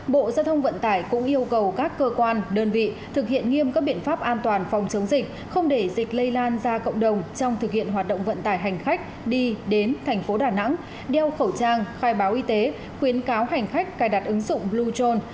bộ giao thông vận tải cũng yêu cầu các cơ quan đơn vị thực hiện nghiêm các biện pháp an toàn phòng chống dịch không để dịch lây lan ra cộng đồng trong thực hiện hoạt động vận tải hành khách đi đến thành phố đà nẵng đeo khẩu trang khai báo y tế khuyến cáo hành khách cài đặt ứng dụng blueon